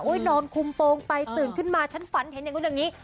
โอ๊ยนอนคุมโปรงไปตื่นขึ้นมาฉันฝันเห็นยังไงอย่างนี้